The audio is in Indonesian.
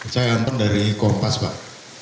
saya anton dari kompas pak